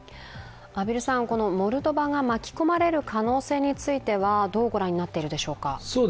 モルドバが巻き込まれる可能性についてはどう御覧になっているでしょうか。